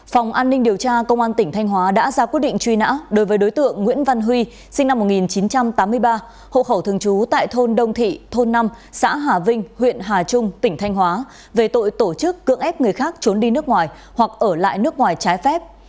phòng an ninh điều tra công an tỉnh thanh hóa đã ra quyết định truy nã đối với đối tượng nguyễn văn huy sinh năm một nghìn chín trăm tám mươi ba hộ khẩu thường trú tại thôn đông thị thôn năm xã hà vinh huyện hà trung tỉnh thanh hóa về tội tổ chức cưỡng ép người khác trốn đi nước ngoài hoặc ở lại nước ngoài trái phép